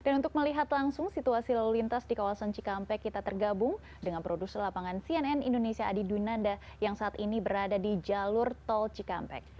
dan untuk melihat langsung situasi lalu lintas di kawasan cikampek kita tergabung dengan produser lapangan cnn indonesia adi dunanda yang saat ini berada di jalur tol cikampek